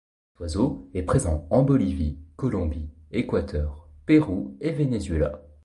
Cet oiseau est présent en Bolivie, Colombie, Équateur, Pérou et Venezuela.